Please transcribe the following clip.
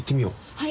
はい。